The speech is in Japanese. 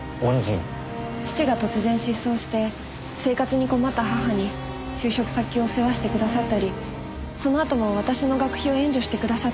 父が突然失踪して生活に困った母に就職先を世話してくださったりそのあとも私の学費を援助してくださったり。